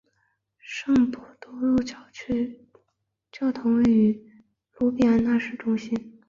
圣伯多禄教区教堂位于卢比安纳市中心。